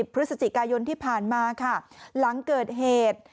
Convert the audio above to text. พฤศจิกายนที่ผ่านมาค่ะหลังเกิดเหตุ